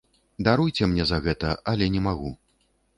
Даруйце мне за гэта, але не магу.